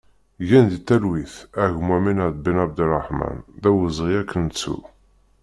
Gen di talwit a gma Menad Benabderreḥman, d awezɣi ad k-nettu!